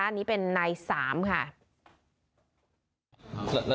อันนี้เป็นนาย๓ค่ะ